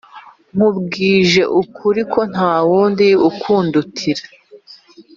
nkubwije ukuri ko nta wundi ukundutira